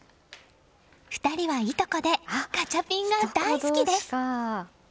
２人はいとこでガチャピンが大好きです。